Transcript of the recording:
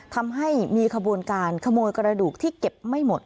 ทำให้มีขบวนการขโมยกระดูกที่เก็บไม่หมด